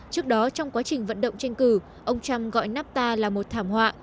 trước đó trong quá trình vận động tranh cử ông trump gọi nafta là một thảm họa